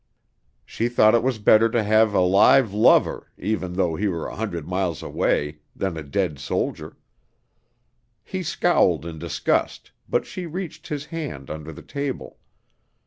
She thought it was better to have a live lover, even though he were a hundred miles away, than a dead soldier. He scowled in disgust, but she reached his hand under the table.